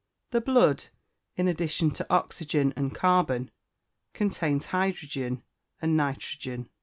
The blood, in addition to oxygen and carbon, contains hydrogen and nitrogen.